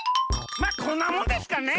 まっこんなもんですかね。